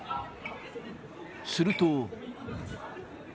すると。